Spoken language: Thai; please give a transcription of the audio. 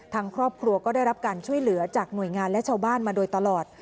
ทางครอบครัวก็ได้รับการช่วยเหลือจากหน่วยงานและชาวบ้านมาโดยตลอด